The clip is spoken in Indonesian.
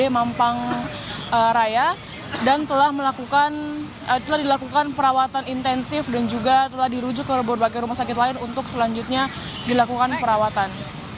nah api sehingga lebih mudah menyebabkan api ini tersebut dan juga tersebut telah dilakukan perawatan intensif dan juga telah dirujuk ke berbagai rumah sakit lain untuk selanjutnya dilakukan perawatan